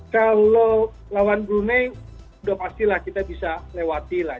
kalau lawan brunei sudah pastilah kita bisa lewati lah